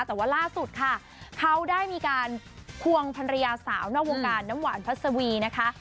แต่ว่าล่าสุดค่ะเขาได้มีการควงภรรยาสาวนอกวงการน้ำหวานพัสวีนะคะ